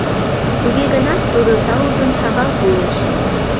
Туге гынат тудо таужым шагал колеш.